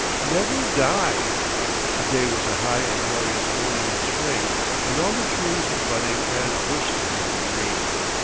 Never die! The day was a high and glorious morning in spring, and all the trees were budding and bursting into green.